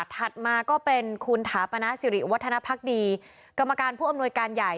ถัดมาก็เป็นคุณถาปนาสิริวัฒนภักดีกรรมการผู้อำนวยการใหญ่